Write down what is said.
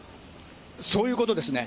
そういうことですね。